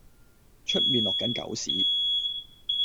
出面落緊狗屎